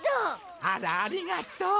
あらありがとう。